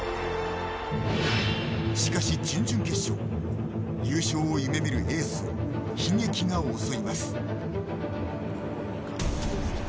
しかし、準々決勝優勝を夢見るエースに悲劇が襲います。